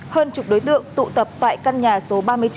hơn chục đối tượng tụ tập tại căn nhà số ba mươi chín